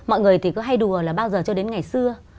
mọi người thì cứ hay đùa là bao giờ cho đến ngày xưa